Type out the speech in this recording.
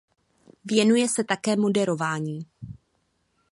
Věnuje se také moderování.